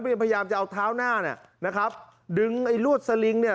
พยายามจะเอาเท้าหน้าเนี่ยนะครับดึงไอ้ลวดสลิงเนี่ย